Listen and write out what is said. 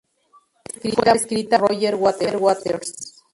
Fue escrita por Roger Waters.